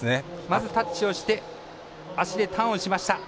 まずタッチをして足でターンをしました。